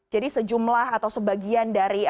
jadi sejumlah atau sebagian dari